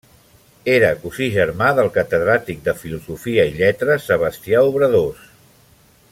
Era cosí germà del catedràtic de filosofia i lletres, Sebastià Obradors.